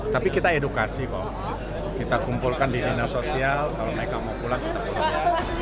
tapi kita edukasi kok kita kumpulkan di dinas sosial kalau mereka mau pulang kita pulang